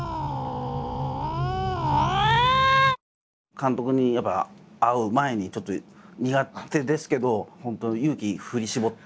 監督にやっぱ会う前にちょっと苦手ですけど本当勇気振り絞って。